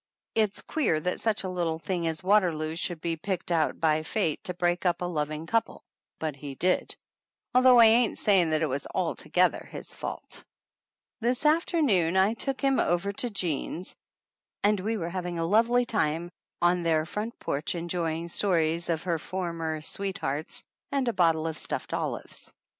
It's queer that such a little thing as Waterloo should be picked out by Fate to break up a lov ing couple, but he did ; although I ain't saying that it was altogether his fault. This afternoon I took him over to Jean's and we were having a lovely time out on their fronts porch, enjoying stories of her former sweet hearts and a bottle of stuffed olives.